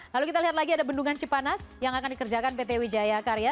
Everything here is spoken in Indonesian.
lalu kita lihat lagi ada bendungan cipanas yang akan dikerjakan pt wijaya karya